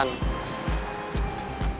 ini bukan jebakan